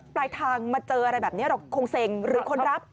ปลายทางมาเจออะไรแบบนี้เราคงเซ็งหรือคนรับ